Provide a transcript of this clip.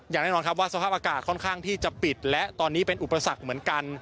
แน่นอนครับว่าสภาพอากาศค่อนข้างที่จะปิดและตอนนี้เป็นอุปสรรคเหมือนกัน